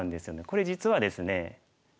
これ実はですね